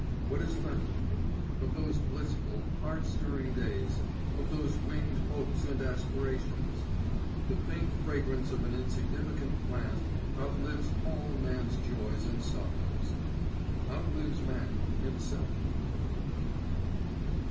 What is left of me, of those blissful, heart stirring days, of those winged hopes and aspirations? The faint fragrance of an insignificant plant outlives all man's joys and sorrows outlives man himself.